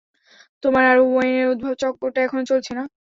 তোমার আর ওয়েনের উদ্ভট চক্করটা এখনো চলছে না?